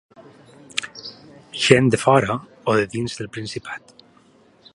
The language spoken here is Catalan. Gent de fora o de dins el Principat.